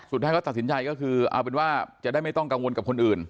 สุดท้ายก็ตัดสินใจก็คือเอาเป็นว่าจะได้ไม่ต้องกังวลกับคนอื่น